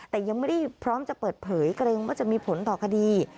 แต่ยังไม่ได้พร้อมจะเปิดเผยเกรงว่าจะมีผลต่อคดี